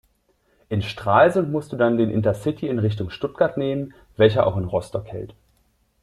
In Stralsund musst du dann den Intercity in Richtung Stuttgart nehmen, welcher auch in Rostock hält.